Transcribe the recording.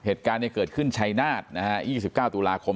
เหตุการณ์เนี้ยเกิดขึ้นชัยนาฏนะฮะยี่สิบเก้าตุลาคม